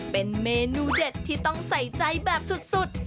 เป็นเมนูเด็ดที่ต้องใส่ใจแบบสุด